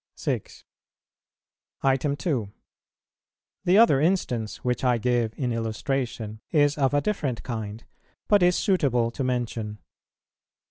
6. (2.) The other instance which I give in illustration is of a different kind, but is suitable to mention.